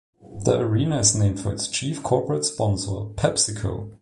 The arena is named for its chief corporate sponsor, PepsiCo.